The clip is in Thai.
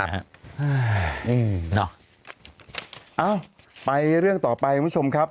เอ้าไปเรื่องต่อไปคุณผู้ชมครับ